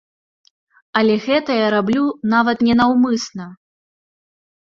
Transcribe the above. Але гэта я раблю нават не наўмысна.